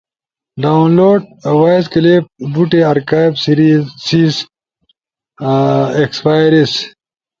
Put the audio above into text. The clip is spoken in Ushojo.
ڈاؤنلوڈ، وائس کلپس بوٹے ارکائیو سیز، ایکسپائیریز